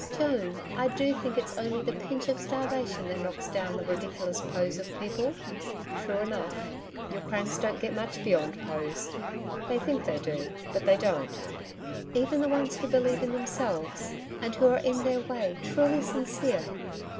Joan, I do think it's only the pinch of starvation that knocks down the ridiculous POSE of people.' 'True enough. Your cranks don't get much beyond POSE. They think they do, but they don't.' 'Even the ones who believe in themselves and who are in their way truly sincere.